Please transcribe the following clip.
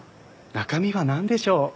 中身はなんでしょう？